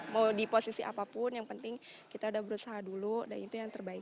mau di posisi apapun yang penting kita udah berusaha dulu dan itu yang terbaik